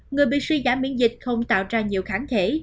người bị suy giảm miễn dịch không tạo ra nhiều kháng thể